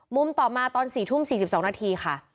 ต่อมาตอน๔ทุ่ม๔๒นาทีค่ะ